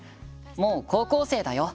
もう高校生だよ？